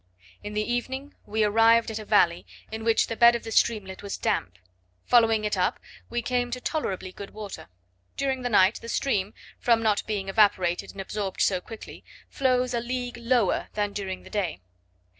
In the evening we arrived at a valley, in which the bed of the streamlet was damp: following it up, we came to tolerably good water. During the night, the stream, from not being evaporated and absorbed so quickly, flows a league lower down than during the day.